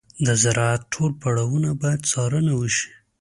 د زراعت ټول پړاوونه باید څارنه وشي.